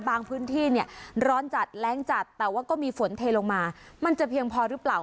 พื้นที่เนี่ยร้อนจัดแรงจัดแต่ว่าก็มีฝนเทลงมามันจะเพียงพอหรือเปล่า